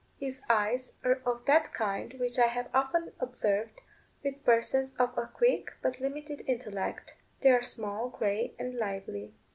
His eyes are of that kind which I have often observed with persons of a quick, but limited intellect they are small, grey, and lively.